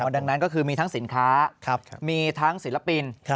ดังนั้นก็คือมีทั้งสินค้ามีทั้งศิลปิน